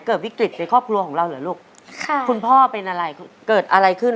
เกิดวิกฤตในครอบครัวของเราเหรอลูกค่ะคุณพ่อเป็นอะไรเกิดอะไรขึ้น